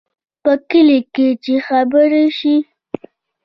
په کلي کې چې خبره شي،